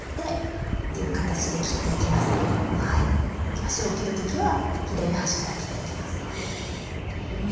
足を切る時は左端から切っていきます。